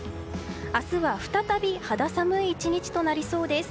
明日は再び肌寒い１日となりそうです。